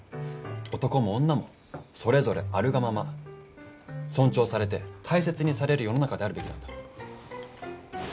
男も女もそれぞれあるがまま尊重されて大切にされる世の中であるべきなんだ。